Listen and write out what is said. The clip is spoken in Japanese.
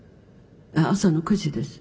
朝の９時です。